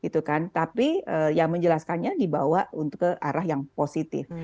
tapi yang menjelaskannya dibawa untuk ke arah yang positif